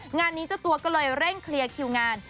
งานนี้เจ้าตัวก็เลยเร่งเคลียร์คิวงาน